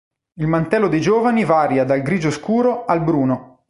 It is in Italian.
Il mantello dei giovani varia dal grigio scuro al bruno.